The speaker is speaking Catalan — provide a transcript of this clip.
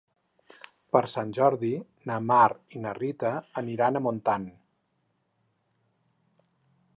Per Sant Jordi na Mar i na Rita aniran a Montant.